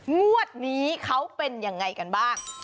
งวดนี้เขาเป็นยังไงกันบ้าง